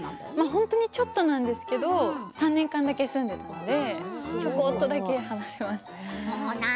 本当にちょっとなんですけれども３年間だけ住んでいたのでちょこっとだけ話せます。